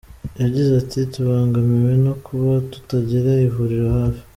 Yagize ati ”Tubangamiwe no kuba tutagira ivuriro hafi.